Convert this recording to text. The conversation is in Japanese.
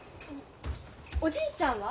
おじいちゃんは？